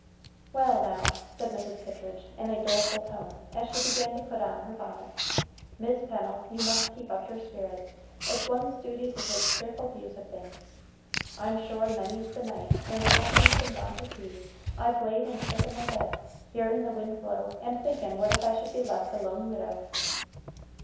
"Well now," said Mrs. Kittridge, in a doleful tone, as she began to put on her bonnet, "Mis' Pennel, you must keep up your spirits it's one's duty to take cheerful views of things. I'm sure many's the night, when the Captain's been gone to sea, I've laid and shook in my bed, hearin' the wind blow, and thinking what if I should be left a lone widow."